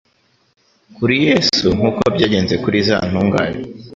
Kuri Yesu, nkuko byagenze kuri za ntungane